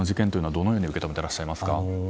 どのように受け止めていらっしゃいますか？